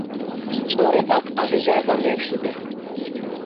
სწორედ აქ აღიზარდა მევჰიბე.